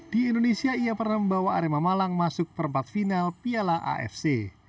di indonesia ia pernah membawa arema malang masuk perempat final piala afc